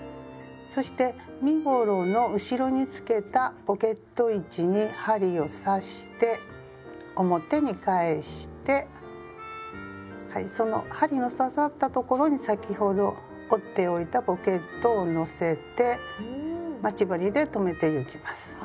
そして身ごろの後ろにつけたポケット位置に針を刺して表に返してはいその針の刺さった所に先ほど折っておいたポケットを載せて待ち針で留めてゆきます。